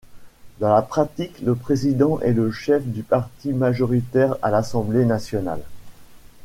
Dans la pratique, le président est le chef du parti majoritaire à l'Assemblée nationale.